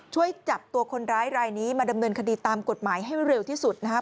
ช่วยจับตัวคนร้ายรายนี้มาดำเนินคดีตามกฎหมายให้เร็วที่สุดนะครับ